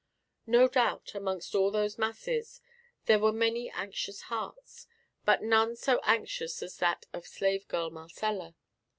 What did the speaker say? No doubt, amongst all those masses there were many anxious hearts, but none so anxious as that of the slave girl Marcella.